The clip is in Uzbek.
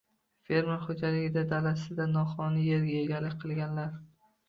Fermer xoʼjaligi dalasidan noqonuniy yerga egalik qilganlar